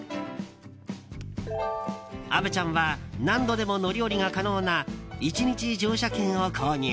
虻ちゃんは何度でも乗り降りが可能な１日乗車券を購入。